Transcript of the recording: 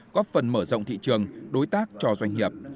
góp phần mở rộng thị trường đối tác cho doanh nghiệp